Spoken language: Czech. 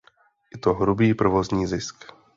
Je to hrubý provozní zisk.